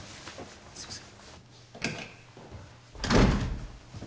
すいません